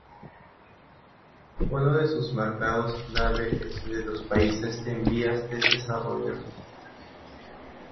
Uno de sus mercados clave es el de los países en vías de desarrollo.